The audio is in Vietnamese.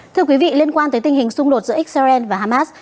thưa quý vị liên quan tới tình hình xung đột giữa israel và hamas